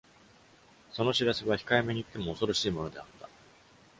その知らせは、控えめに言っても恐ろしいものであった。